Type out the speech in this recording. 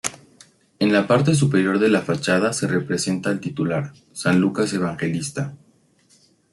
En la parte superior de la fachada se representa al titular, San Lucas Evangelista.